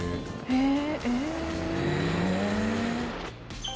へえ。